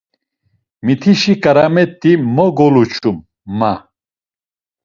Mitişi ǩaramet̆i mo goluçum, ma.